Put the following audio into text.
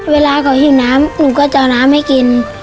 เวลาเขาหิวน้ำหนูก็จะเอาน้ำให้กิน